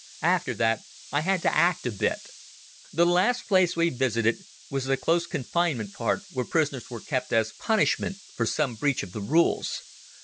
After that I had to act a bit. The last place we visited was the close confinement part where prisoners were kept as a punishment for some breach of the rules.